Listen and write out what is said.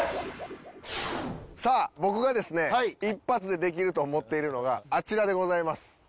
さあ僕がですね一発でできると思っているのがあちらでございます。